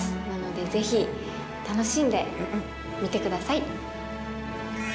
なのでぜひ、楽しんで見てください。